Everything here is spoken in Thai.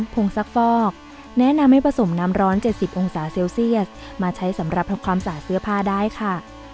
งซักฟอกแนะนำให้ผสมน้ำร้อน๗๐องศาเซลเซียสมาใช้สำหรับทำความสะอาดเสื้อผ้าได้ค่ะ